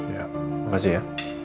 ya makasih ya